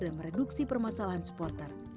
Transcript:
dan mereduksi permasalahan supporter